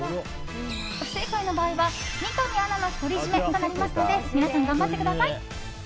不正解の場合は三上アナの独り占めとなりますので皆さん、頑張ってください！